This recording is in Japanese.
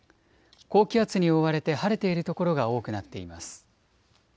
高気圧に覆われて晴れている所が多くなっています。